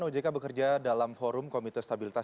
ojk bekerja dalam forum komite stabilitas